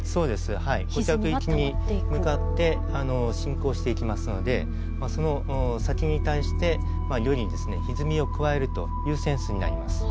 固着域に向かって進行していきますのでその先に対してよりひずみを加えるというセンスになります。